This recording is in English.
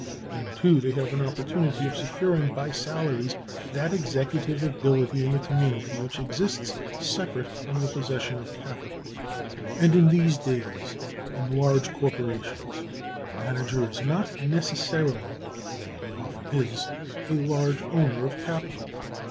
Then, too, they have an opportunity of securing by salaries that executive ability in the community which exists separate from the possession of capital. And in these days, in large corporations, the manager is not necessarily (although he often is) a large owner of capital.